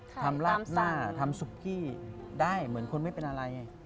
ทำลากหน้าทำซุกกี้ได้เหมือนคนไม่เป็นอะไร